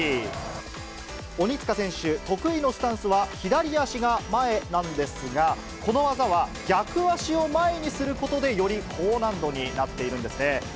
鬼塚選手得意のスタンスは、左足が前なんですが、この技は逆足を前にすることで、より高難度になっているんですね。